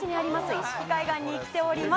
一色海岸に来ております。